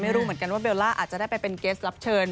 ไม่รู้เหมือนกันว่าเบลล่าอาจจะได้ไปเป็นเกสรับเชิญ